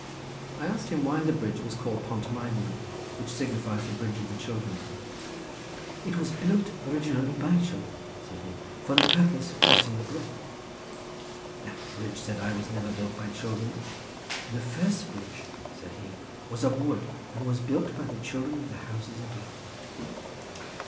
I asked him why the bridge was called Pont y Meibion, which signifies the bridge of the children. "It was built originally by children," said he, "for the purpose of crossing the brook." "That bridge," said I, "was never built by children." "The first bridge," said he, "was of wood, and was built by the children of the houses above."